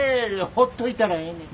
ほっといたらええねん。